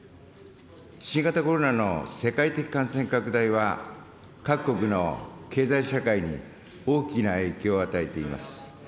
新型コロナの世界的感染拡大は、各国の経済社会に大きな影響を与えています。